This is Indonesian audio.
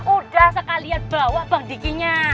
udah sekalian bawa bang dikinya